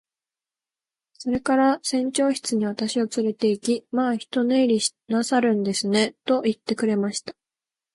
それから船長室に私をつれて行き、「まあ一寝入りしなさるんですね。」と言ってくれました。